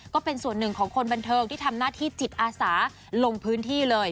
ก็เป็นส่วนหนึ่งของคนบันเทิงที่ทำหน้าที่จิตอาสาลงพื้นที่เลย